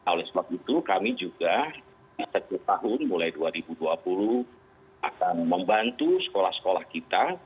oleh sebab itu kami juga di setiap tahun mulai dua ribu dua puluh akan membantu sekolah sekolah kita